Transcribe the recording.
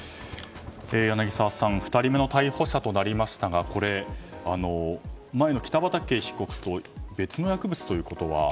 柳澤さん２人目の逮捕者となりましたがこれ、前の北畠被告と別の薬物ということは。